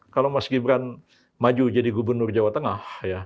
kalau mas gibran maju jadi gubernur jawa tengah